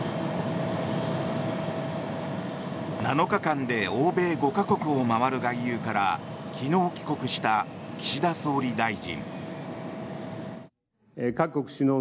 ７日間で欧米５か国を回る外遊から昨日帰国した岸田総理大臣。